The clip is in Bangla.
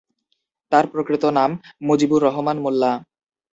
তাঁর প্রকৃত নাম মুজিবুর রহমান মোল্লা।